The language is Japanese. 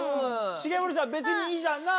重盛さん別にいいじゃんな？